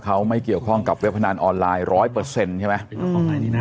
เขาไม่เกี่ยวข้องกับเว็บพนันออนไลน์๑๐๐ใช่ไหม